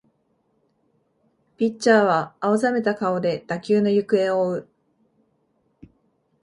ピッチャーは青ざめた顔で打球の行方を追う